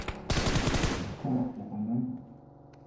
Tant pour un homme ?